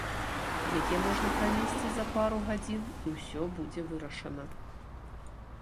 Яе можа правесці за пару гадзін, і ўсё будзе вырашана!